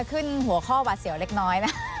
ขึ้นหัวข้อหวัดเสียวเล็กน้อยนะ